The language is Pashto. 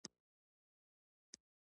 انضباطي طرزالعمل د کار په محیط کې وي.